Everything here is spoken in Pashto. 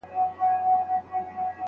زه اوس ږغ اورم.